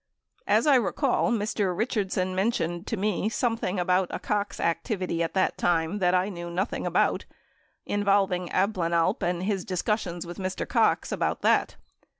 As I recall Mr. Richardson mentioned to me something about a Cox activity at that time that I kneAV nothing about involving Abplanalp and his discussions Avith Mr. Cox about that.